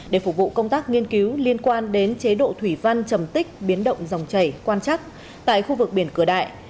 để phục vụ công tác nghiên cứu liên quan đến chế độ thủy văn trầm tích biến động dòng chảy quan chắc tại khu vực biển cửa đại